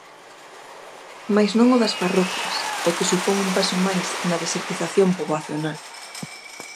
Mais non o das parroquias, o que supón un paso máis na desertización poboacional.